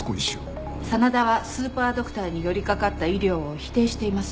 真田はスーパードクターに寄り掛かった医療を否定しています。